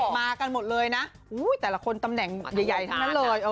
มากันหมดเลยนะแต่ละคนตำแหน่งใหญ่ทั้งนั้นเลย